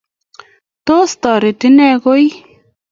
tos? Toroti nee koii?